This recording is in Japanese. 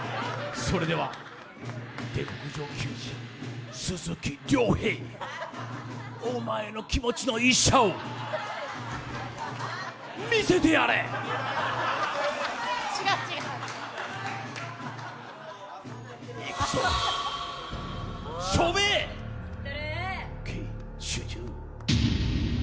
それでは「下剋上球児」、鈴木亮平！お前の気持ちの１射を見せてやれ！いくぞ、集中！